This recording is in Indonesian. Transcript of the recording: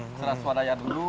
secara swadaya dulu